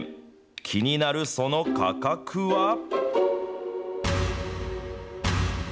気になるその価格は？